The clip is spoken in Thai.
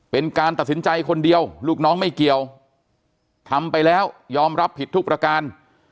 เป็นการตัดสินใจคนเดียวลูกน้องไม่เกี่ยวทำไปแล้วยอมรับผิดทุกประการ